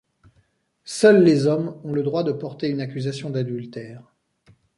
Seuls les hommes ont le droit de porter une accusation d’adultère.